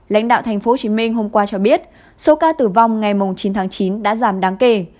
lãnh đạo tp hcm hôm qua cho biết số ca tử vong ngày chín tháng chín đã giảm đáng kể